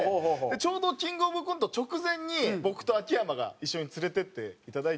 ちょうどキングオブコント直前に僕と秋山が一緒に連れてっていただいて。